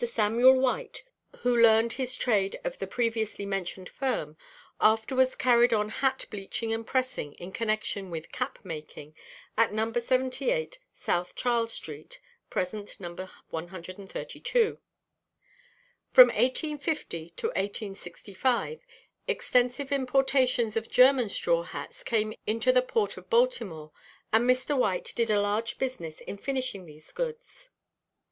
Samuel White, who learned his trade of the previously mentioned firm, afterwards carried on hat bleaching and pressing in connection with cap making, at No. 78 South Charles street (present No. 132). From 1850 to 1865 extensive importations of German straw hats came into the port of Baltimore, and Mr. White did a large business in finishing these goods.